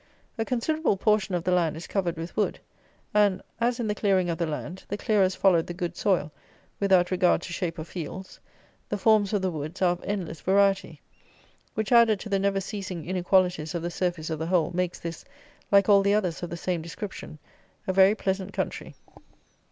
A considerable portion of the land is covered with wood; and as, in the clearing of the land, the clearers followed the good soil, without regard to shape of fields, the forms of the woods are of endless variety, which, added to the never ceasing inequalities of the surface of the whole, makes this, like all the others of the same description, a very pleasant country.